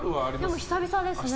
でも久々ですね。